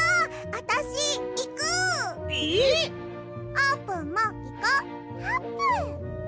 あーぷんもいこ！あぷん！